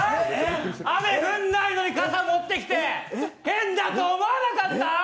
雨、降んなんのに傘持ってきて変だと思わなかった？